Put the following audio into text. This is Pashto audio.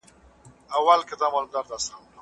د کور دننه برېښنا تارونه پټ وساتئ.